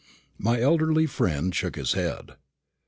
My elderly friend shook his head.